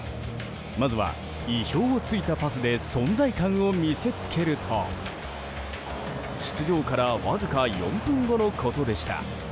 まずは、意表を突いたパスで存在感を見せつけると出場からわずか４分後のことでした。